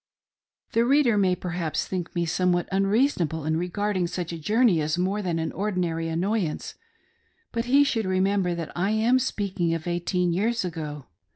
171 The reader may perhaps think me somewhat unreasonable in regarding such a journey as more than an ordinary an noyance; but he should remember that I am speaking of eighteen years ago.